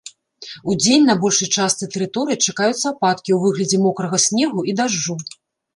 Удзень на большай частцы тэрыторыі чакаюцца ападкі ў выглядзе мокрага снегу і дажджу.